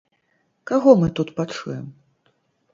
Каго мы тут пачуем?